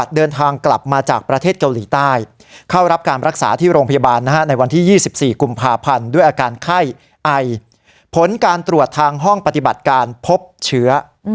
สถานการณ์โอมงานศิษย์ไอวิทยาลักษณะอายผลการตรวจทางห้องปฏิบัติการเพับเชื้อ